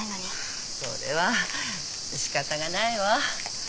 それはしかたがないわ。